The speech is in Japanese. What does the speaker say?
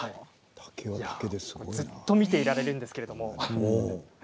ずっと見ていられるんですけど。